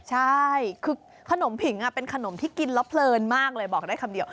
ใช่คือขนมผิงเป็นขนมที่กินแล้วเพลินมากเลยบอกได้คำเดียว